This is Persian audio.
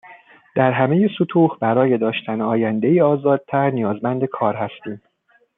در همه سطوح، برای داشتن آیندهای آزادتر نیازمند کار هستیم